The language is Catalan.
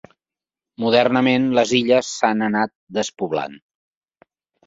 Modernament les illes s'han anat despoblant.